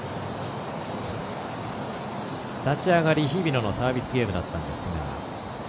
立ち上がり、日比野のサービスゲームだったんですが。